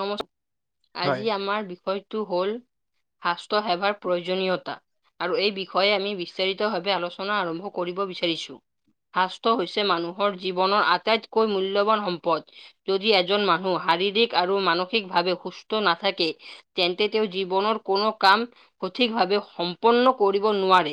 নমস্--আজি হয়, আমাৰ বিষয়টো হ'ল স্বাস্থ্য সেৱাৰ প্ৰয়োজনীয়তা আৰু এই বিষয়ে আমি বিস্তাৰিতভাৱে আলোচনা আৰম্ভ কৰিব বিচাৰিছোঁ শাস্ত্ৰ হৈছে মানুহৰ জীৱনৰ আটাইতকৈ মূল্যৱান সম্পদ যদি এজন মানুহ শাৰীৰিক আৰু মানসিকভাৱে সুস্থ নাথাকে, তেন্তে তেওঁ জীৱনৰ কোনো কাম সঠিক ভাৱে সম্পন্ন কৰিব নোৱাৰে।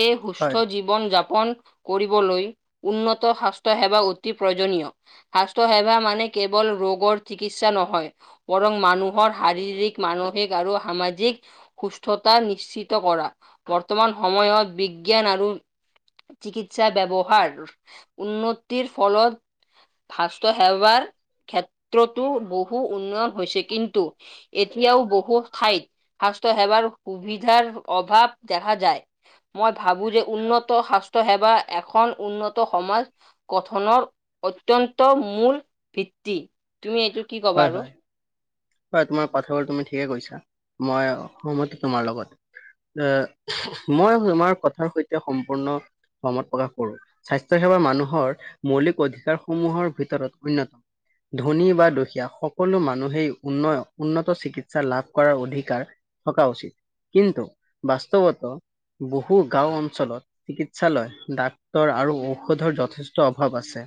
এই হয়, সুস্থ জীৱ, জীৱন যাপন কৰিবলৈ উন্নত স্বাস্থ্য সেৱা অতি প্ৰয়োজনীয়। স্বাস্থ্য সেৱা মানে কেৱল ৰোগৰ চিক, চিকিৎসা নহয় বৰং মানুহৰ শাৰীৰিক মানসিক আৰু সামাজিক, সুস্থতাৰ নিশ্চিত কৰা বৰ্তমান সময়ত বিজ্ঞান আৰু, চিকিৎসা ব্যৱহাৰ উন্নতিৰ ফলত, স্বাস্থ্য সেৱাৰ, টো বহু উন্নয়ন হৈছে কিন্তু, এতিয়াও বহু ঠাইত স্বাস্থ্য সেৱাৰ সুবিধাৰ অভাৱ দেখা যায়। মই ভাবো যে উন্নত স্বাস্থ্য সেৱা এখন উন্নত সমাজ, গঠনৰ অত্যন্ত মূল ভিত্তি তুমি এইটো কি কবা হয়, আৰু, হয়, হয় তোমাৰ কথাবোৰ তুমি ঠিকে কৈছা মই সনমতি তোমাৰ লগত। এ মই তোমাৰ কথাৰ সৈতে সম্পূৰ্ণ, সহমত প্ৰকাশ কৰো, স্বাস্থ্য সেৱা মানুহৰ মৌলিক অধিকাৰসমূহৰ ভিতৰত অন্যতম। ধনী বা দুখীয়া সকলো মানুহেই, উন্নয় উন্নত চিকিৎসা লাভ কৰাৰ অধিকাৰ থকা উচিত। কিন্তু বাস্তৱত বহু গাঁও অঞ্চলত, চিকিৎসালয় ডাক্তৰ আৰু ঔষধৰ যথেষ্ট অভাৱ আছে।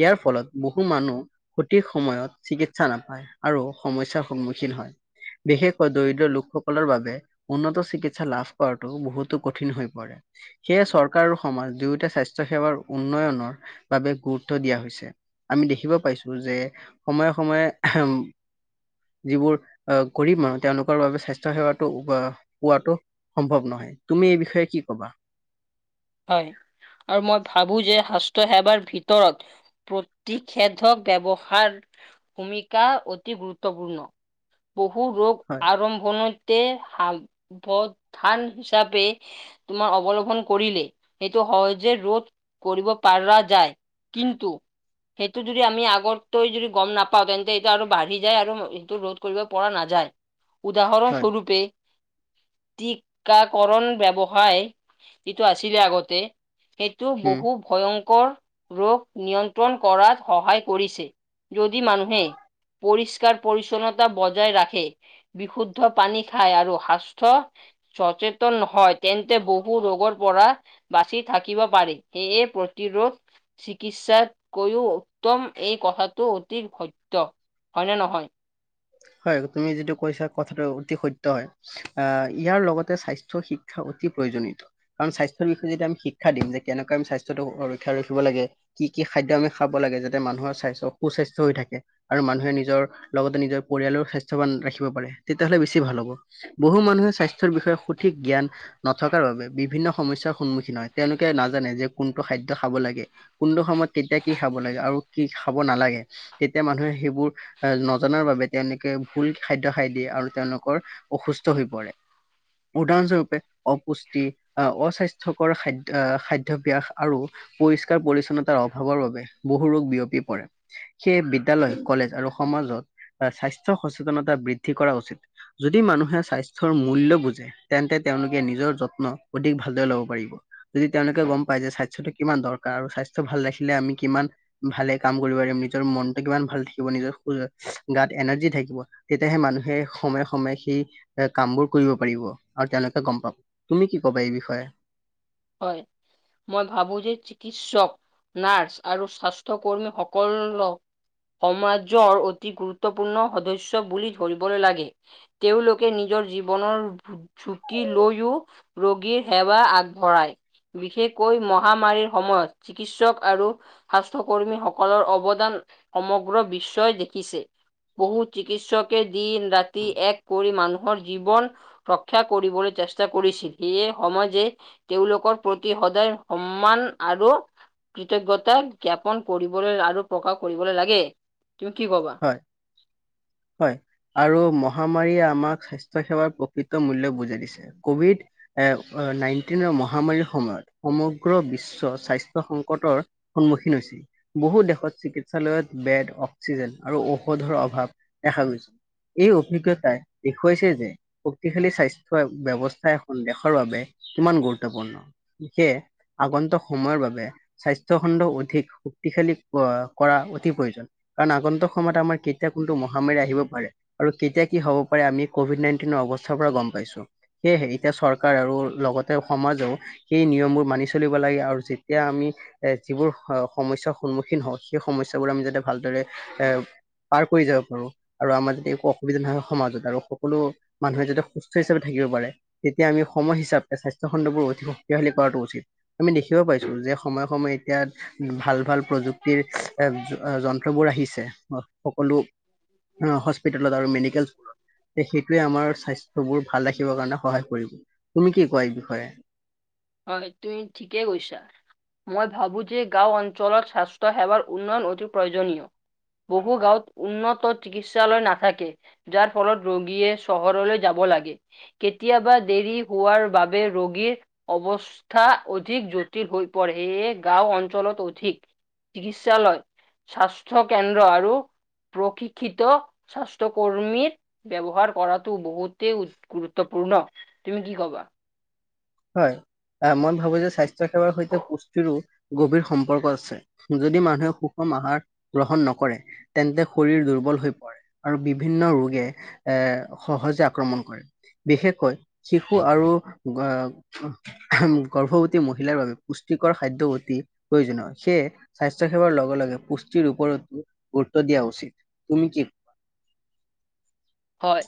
ইয়াৰ ফলত বহু মানুহ সঠিক সময়ত চিকিৎসা নাপায় আৰু, সমস্যাৰ সন্মুখীন হয় বিশেষকৈ দৰিদ্ৰ লোকসকলৰ বাবে, উন্নত চিকিৎসা লাভ কৰাটো বহুতো কঠিন হৈ পৰে। সেয়ে চৰকাৰ আৰু সমাজ দুয়োটা স্বাস্থ্য সেৱাৰ উন্নয়নৰ বাবে গুৰুত্ব দিয়া হৈছে। আমি দেখিব পাইছো যে সময়ে সময়ে, যিবোৰ আহ গৰীব মানুহ তেওঁলোকৰ বাবে স্বাস্থ্য সেৱাতো পোৱাটো, সম্ভৱ নহয় তুমি এই বিষয়ে কি কবা। হয় আৰু মই ভাবো যে স্বাস্থ্য সেৱাৰ ভিতৰত, প্ৰতিষেধক ব্যৱহাৰ, ভূমিকা অতি গুৰুত্বপূৰ্ণ, বহু ৰোগ হয়, আৰম্ভণত তে সাৱধান হিচাপে তোমাৰ অৱলম্বন কৰিলে, সেইটো সহজে ৰোধ কৰিব পাৰা যায় কিন্তু, সেইটো যদি আমি আগত যদি গম নাপাওঁ তেন্তে এইটো আৰু বাঢ়ি যায় আৰু সেইটো ৰোধ কৰিব পৰা নাযায়। হয়, উদাহৰণস্বৰূপে, টিকাকৰণ ব্যৱসায় এইটো আছিলে আগতে, সেইটো উম। বহুত, ভয়ংকৰ ৰোগ নিয়ন্ত্ৰণ কৰাত সহায় কৰিছে যদি মানুহে, পৰিষ্কাৰ পৰিচ্ছন্নতা বজাই ৰাখে, বিশুদ্ধ পানী খাই আৰু সাস্থ, চচেতন নহয় তেন্তে বহু ৰোগৰ, পৰা বাচি থাকিব পাৰি সেয়ে প্ৰতিৰোধ, চিকিৎসাতকৈও উত্তম এই কথাটো অতি সত্য হয় নে নহয়, হয় তুমি যিটো কৈছা কথাটো অতি সত্য হয়। আহ ইয়াৰ লগতে স্বাস্থ্য শিক্ষাও অতি প্ৰয়োজনীয়। কাৰণ স্বাস্থ্যৰ বিষয়ে যেতিয়া আমি শিক্ষা দিম যে কেনেকৈ আমি স্বাস্থ্যটো সুৰক্ষা ৰাখিব লাগে। কি কি খাদ্য আমি খাব লাগে যাতে মানুহৰ স্বাস্থ্য সুস্বাস্থ্য হৈ থাকে? আৰু মানুহে নিজৰ লগতে নিজৰ পৰিয়ালৰ স্বাস্থ্যৱান ৰাখিব পাৰে তেতিয়াহ'লে বেছি ভাল হ'ব। বহু মানুহে স্বাস্থ্যৰ বিষয়ে সঠিক জ্ঞান নথকাৰ বাবে বিভিন্ন সমস্যাৰ সন্মুখীন হয়, তেওঁলোকে নাজানে যে কোনটো খাদ্য খাব লাগে। কোনটো সময়ত কেতিয়া কি খাব লাগে আৰু কি খাব নালাগে। তেতিয়া মানুহে সেইবোৰ নজনাৰ বাবে তেওঁলোকে ভূল খাদ্য খাই দিয়ে আৰু তেওঁলোকৰ অসুস্থ হৈ পৰে। উদাহৰণস্বৰূপে অপুষ্টি আহ অস্বাস্থ্যকৰ খাদ্য আহ, খাদ্যভাস আৰু পৰিষ্কাৰ পৰি্ছন্নতাৰ অভাৱৰ বাবে বহু ৰোগ বিয়পি পৰে। সেয়ে বিদ্যালয়, কলেজ আৰু সমাজত স্বাস্থ্য সচেতনতা বৃদ্ধি কৰা উচিত। যদি মানুহে স্বাস্থ্যৰ মূল্য বুজে। তেন্তে তেওঁলোকে নিজৰ যত্ন অধিক ভালদৰে ল'ব পাৰিব। যদি তেওঁলোকে গ'ম পায় যে, স্বাস্থ্যটো কিমান দৰকাৰ আৰু স্বাস্থ্য ভাল ৰাখিলে আমি কিমান ভালে কাম কৰিব পাৰিম নিজৰ মনটো কিমান ভাল থাকিব নিজৰ [unintelligible] গাত এনাৰ্জি থাকিব তেতিয়াহে মানুহে সময়ে সময়ে সেই এ কামবোৰ কৰিব পাৰিব আৰু তেওঁলোকে গ'ম পাব। তুমি কি ক'বা এই বিষয়ে? হয়। মই ভাবো যে চিকিৎসক, নাৰ্চ আৰু স্বাস্থ্য কৰ্মী সকলক সমাজৰ অতি গুৰুত্বপূৰ্ণ সদস্য বুলি ধৰিব লাগে। তেওঁলোকে নিজৰ জীৱনৰ ঝুকি লৈও ৰোগীৰ সেৱা আগ বঢ়াই, বিশেষকৈ মহামাৰীৰ সময়ত চিকিৎসক আৰু স্বাস্থ্যকৰ্মীসকলৰ অৱদান সমগ্ৰ বিশ্বই দেখিছে। বহু চিকিৎসকে দিন-ৰাতি এক কৰি মানুহৰ জীৱন ৰক্ষা কৰিবলৈ চেষ্টা কৰিছিল, সেয়ে সমাজে তেওঁলোকৰ প্ৰতি সদায় সন্মান আৰু কৃতজ্ঞতা জ্ঞাপন কৰিবলৈ আৰু প্ৰকাশ কৰিবলৈ লাগে। তুমি কি ক'বা? হয়, হয়। আৰু মহামাৰীয়ে আমাক স্বাস্থ্য সেৱাৰ প্ৰকৃত মূল্য বুজাই দিছে, কভিড এ নাইনটিনৰ মহামাৰীৰ সময়ত সমগ্ৰ বিশ্ব স্বাস্থ্য সংকটৰ সন্মুখীন হৈছিল। বহু দেশত চিকিৎসালয়ত বেড, অক্সিজেন আৰু ঔষধৰ অভাৱ দেখা গৈছে। এই অভিজ্ঞতাই দেখুৱাইছে যে শক্তিশালী স্বাস্থ্য ব্যৱস্থা এখন দেশৰ বাবে কিমান গুৰুত্বপূৰ্ণ, সেয়ে আগন্তক সময়ৰ বাবে স্বাস্থ্য খণ্ড অধিক শক্তিশালী কৰা অতি প্ৰয়োজনীয়। কাৰণ, আগন্তক সময়ত আমাৰ কেতিয়া কোনটো মহামাৰী আহিব পাৰে। আৰু তেতিয়া কি হ'ব পাৰে আমি ক'ভিড নাইণ্টিনৰ অৱস্থাৰ পৰা গ'ম পাইছো। সেয়েহে এতিয়া চৰকাৰ আৰু লগতে সমাজেও সেই নিয়মবোৰ মানি চলিব লাগে আৰু যেতিয়া আমি এ যিবোৰ সমস্যাৰ সন্মুখীন হওঁ, সেই সমস্যাবোৰ আমি যাতে ভালদৰে এ পাৰ কৰি যাব পাৰো। আৰু আমাৰ যাতে একো অসুবিধা নহয় সমাজত আৰু সকলো মানুহে যাতে সুস্থ হিচাপে থাকিব পাৰে। তেতিয়া আমি সময় হিচাপে স্বাস্থ্য খণ্ডবোৰ অতি শক্তিশালী কৰাটো উচিত। আমি দেখিব পাইছো যে, সময়ে সময়ে এতিয়া ভাল ভাল প্ৰযুক্তিৰ যন্ত্ৰবোৰ আহিছে সকলো অ', হস্পিতালত আৰু মেডিকেল সেইটোৱে আমাৰ স্বাস্থ্য বোৰ ভাল ৰাখিবৰ কাৰণে সহায় কৰিব তুমি কি কোৱা এই বিষয়ে? হয় তুমি ঠিকে কৈছা। মই ভাবোঁ যে গাঁও অঞ্চলত স্বাস্থ্য সেৱাৰ উন্নয়ন অতি প্ৰয়োজনীয়। বহু গাঁৱত উন্নত চিকিৎসালয় নাথাকে। যাৰ ফলত ৰোগীয়ে চহৰলৈ যাব লাগে। কেতিয়াবা দেৰি হোৱাৰ বাবে ৰোগীৰ অৱস্থা অধিক জটিল হৈ পৰে এইয়ে গাঁও অঞ্চলত অধিক চিকিৎসালয়, স্বাস্থ্য কেন্দ্ৰ আৰু প্ৰশিক্ষিত স্বাস্থ্যকৰ্মীৰ ব্যৱহাৰ কৰাটো বহুতেই গুৰুত্বপূৰ্ণ তুমি কি কবা? হয় আহ মই ভাবোঁ যে স্বাস্থ্য সেৱাৰ সৈতে পুষ্টিৰো গভীৰ সম্পৰ্ক আছে। যদি মানুহে সুষম আহাৰ গ্ৰহণ নকৰে তেন্তে শৰীৰ দুৰ্বল হৈ পৰে। আৰু বিভিন্ন ৰোগে এৰ সহজে আক্ৰমণ কৰে। বিশেষকৈ শিশু আৰু আহ গৰ্ভৱতী মহিলাৰ বাবে পুষ্টিকৰ খাদ্য অতি প্ৰয়োজনীয় সেয়ে। স্বাস্থ্য সেৱাৰ লগে লগে পুষ্টিৰ ওপৰতো গুৰুত্ব দিয়া উচিত তুমি কি হয়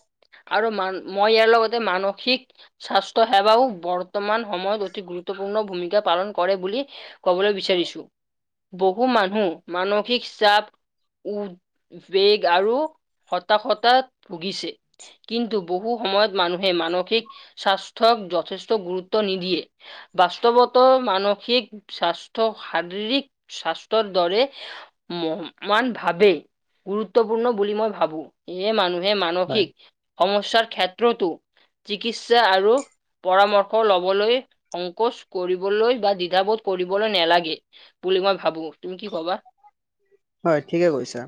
আৰু মান মই ইয়াৰ লগতে মানসিক স্বাস্থ্য সেৱাও বৰ্তমান সময়ত অতি গুৰুত্বপূৰ্ণ ভূমিকা পালন কৰে বুলি কবলৈ বিচাৰিছো বহু মানুহ মানসিক চাপ উ বেগ আৰু হতাশতাত ভুগিছে। কিন্তু বহু সময়ত মানুহে মানসিক স্বাস্থ্যক যথেষ্ট গুৰুত্ব নিদিয়ে। বাস্তৱত মানসিক স্বাস্থ্য শাৰীৰিক স্বাস্থ্যৰ দৰে ম মান ভাবে গুৰুত্বপূৰ্ণ বুলি মই ভাবো এয়ে মানুহ হয় মানসিক সমস্যা ক্ষেত্ৰতো চিকিৎসা আৰু পৰামৰ্শ লবলৈ সংকোচ কৰিবলৈ বা দ্বিধাবোধ কৰিবলৈ নালাগে। বুলি মই ভাবো তুমি কি ক'বা? হয় ঠিকই কৈছা।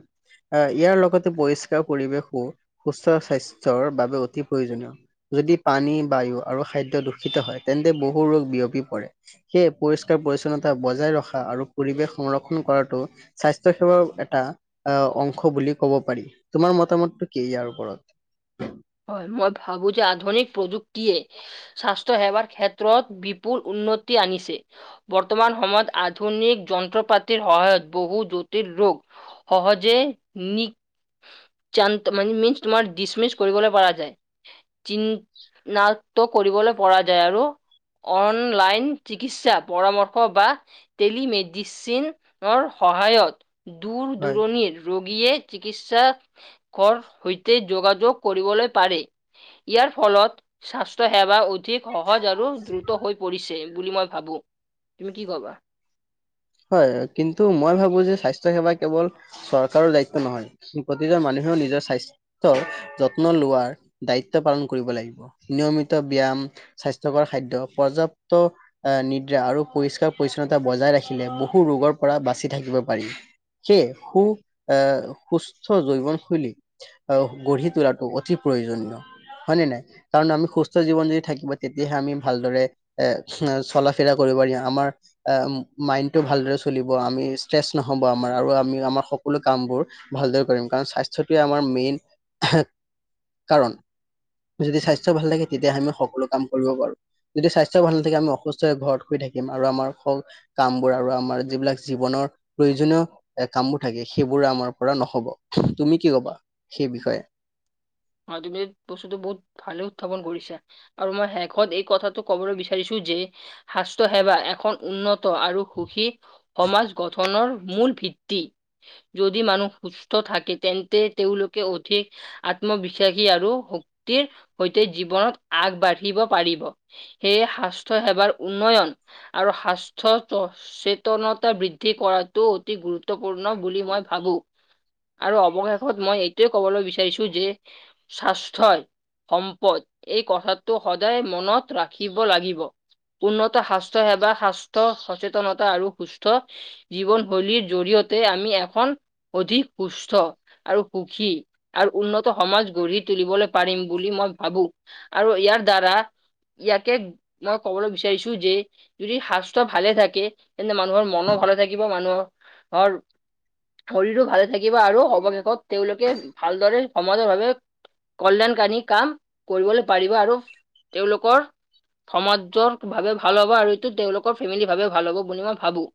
হয় ইয়াৰ লগতে পৰিষ্কাৰ পৰিৱেশো সুস্থ স্বাস্থ্যৰ বাবে অতি প্ৰয়োজনীয়। যদি পানী বায়ু আৰু খাদ্য দূষিত হয় তেন্তে বহু ৰোগ বিয়পি পৰে। সেই পৰিষ্কাৰ পৰিচ্ছন্নতা বজাই ৰখা আৰু পৰিৱেশ সংৰক্ষণ কৰাটো স্বাস্থ স্বাস্থ্য সেৱাৰ এটা আহ অংশ বুলি ক'ব পাৰি তোমাৰ মতামতটো কি ইয়াৰ ওপৰত? হয় মই ভাবো যে আধুনিক প্ৰযুক্তিয়ে স্বাস্থ্য সেৱাৰ ক্ষেত্ৰত বিপুল উন্নতি আনিছে। বৰ্তমান সময়ত আধুনিক যন্ত্ৰ পাতিৰ সহায়ত বহু জটিল ৰোগ সহজে নিকান মানে মন্ তোমাৰ ডিছমিচ কৰিবলৈ পৰা যায় চিনাক্ত কৰিবলৈ পৰা যায় আৰু অনলাইন চিকিৎসা পৰামৰ্শ বা টেলিমেডিচিনৰ সহায়ত দূৰ হয় দূৰণিৰ ৰোগীয়ে চিকিৎসাকৰ সৈতে যোগাযোগ কৰিবলৈ পাৰে ইয়াৰ ফলত স্বাস্থ্য সেৱা অধিক সহজ আৰু দ্ৰুত হৈ পৰিছে বুলি ভাবোঁ তুমি কি ক'বা? হয় কিন্তু মই ভাবো যে স্বাস্থ্য সেৱা কেৱল চৰকাৰৰ দায়িত্ব নহয় প্ৰতিজন মানুহেও নিজৰ স্বাস্থ্য যত্ন লোৱাৰ দায়িত্ব পালন কৰিব লাগিব নিয়মিত ব্যায়াম স্বাস্থ্যকৰ খাদ্য, পৰ্যাপ্ত নিদ্ৰা আৰু পৰিস্কাৰ পৰিছন্নতা বজাই ৰাখি খিলে বহু ৰোগৰ পৰা বাচি থাকিব পাৰি। সেয়ে সু আহ সুস্থ জৈৱনশৈলী আহ গঢ়ি তোলাটো অতি প্ৰয়োজনীয় হয় নে নাই। কাৰণ আমি সুস্থ জীৱন যদি থাকিব তেতিয়াহে আমি ভালদৰে এ চলা বিয়া কৰিব পাৰি আমাৰ এ মাইণ্ডটো ভালদৰে চলিব আমি ষ্ট্ৰেচ নহ'ব, আমাৰ আৰু আমি আমাৰ সকলো কামবোৰ ভালদৰে কৰিম, কাৰণ স্বাস্থ্যটোৱে আমাৰ মেইন কাৰণ যদি স্বাস্থ্য ভাল থাকে তেতিয়া আমি সকলো কাম কৰিব পাৰো। যদি স্বাস্থ্য ভাল নাথাকে আমি অসুস্থ হৈ ঘৰত শুই থাকিম আৰু আমাৰ কাম বোৰ আৰু আমাৰ যিবিলাক জীৱনৰ প্ৰয়োজনীয় এ কামবোৰ থাকে সেইবোৰ আমাৰ পৰা নহব তুমি কি কবা সেই বিষয়ে? আৰু তুমি বস্তুতটো বহুত ভালে উত্থাপন কৰিছা। আৰু মই শেষত এই কথাটো কবলৈ বিচাৰিছো যে স্বাস্থ্য সেৱা এখন উন্নত আৰু সুখী সমাজ গঠনৰ মূল ভিত্তি। যদি মানুহ সুস্থ থাকে তেন্তে তেওঁলোকে অধিক আত্মবিশ্বাসী আৰু শক্তিৰ সৈতে জীৱনত আগবাঢ়িব পাৰিব। সেয়ে স্বাস্থ্যয় সেৱাৰ উন্নয়ন আৰু স্বাস্থ্য স চেতনতা বৃদ্ধি কৰাটো অতি গুৰুত্বপূৰ্ণ বুলি মই ভাবোঁ। আৰু অৱশেষত মই এইটোৱে কবলৈ বিচাৰিছো যে স্বাস্থই সম্পদ এই কথাটো সদায় মনত ৰাখিব লাগিব। উন্নত স্বাস্থ্য সেৱা স্বাস্থ্য সচেতনতা আৰু সুস্থ জীৱন শৈলীৰ জৰিয়তে আমি এখন অধিক সুস্থ আৰু সুখী আৰু উন্নত সমাজ গঢ়ি তুলিবলৈ পাৰিম বুলি মই ভাবো, আৰু ইয়াৰ দ্বাৰা ইয়াকে মই কবলৈ বিচাৰিছো যে যদি স্বাস্থ্য ভালে থাকে তেন্তে মানুহৰ মনো ভালে থাকিব মানুহৰ শৰীৰো ভালে থাকিব আৰু অৱশেষত তেওঁলোকে ভালদৰে সমাজৰভাৱে কল্যাণ কাৰী কাম কৰিবলৈ পাৰিব আৰু তেওঁলোকৰ সমাজৰ ভাৱে ভাল হ'ব আৰু এইটো তেওঁলোকৰ ফেমিলি বাবে ভাল হ'ব বুলি মই ভাবোঁ।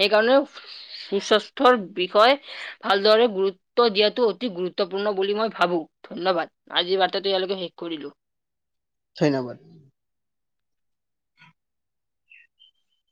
সেইকাৰণেও সুস্বাস্থ্যৰ বিষয়ে ভালদৰে গুৰুত্ব দিয়াতটো অতি গুৰুত্বপূৰ্ণ বুলি মই ভাবো ধন্যবাদ আজিৰ বাৰ্তাটো ইয়ালোকে শেষ কৰিলো। ধন্যবাদ।